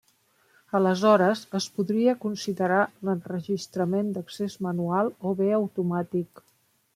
Aleshores es podria considerar l'enregistrament d’accés manual o bé automàtic.